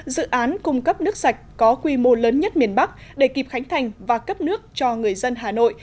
dự án cung cấp nước sạch có quy mô lớn nhất miền bắc để kịp khánh thành và cấp nước cho người dân hà nội